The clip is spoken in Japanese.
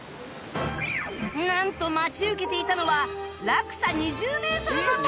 なんと待ち受けていたのは落差２０メートルの滝！